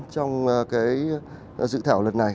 trong cái dự thảo lần này